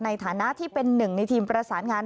ในฐานะที่เป็นหนึ่งในทีมประสานงาน